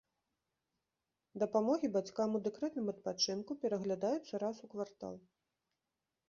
Дапамогі бацькам у дэкрэтным адпачынку пераглядаюцца раз у квартал.